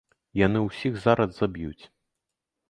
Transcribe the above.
Яны ўсіх зараз заб'юць.